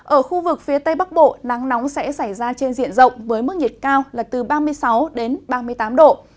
ở khu vực phía tây bắc bộ nắng nóng sẽ xảy ra trên diện rộng với mức nhiệt cao là từ ba mươi sáu đến ba mươi tám độ